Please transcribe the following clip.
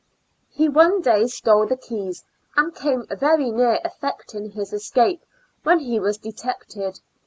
He one day stole the keys, and came very near effecting his escape, when he was detected.